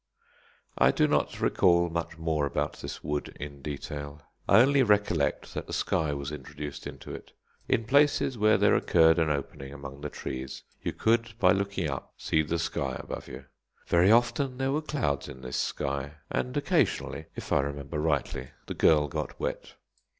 I do not recall much more about this wood in detail. I only recollect that the sky was introduced into it. In places where there occurred an opening among the trees you could by looking up see the sky above you; very often there were clouds in this sky, and occasionally, if I remember rightly, the girl got wet.